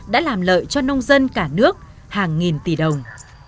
đã làm lợi cho nông dân cả nước hàng nghìn tỷ đồng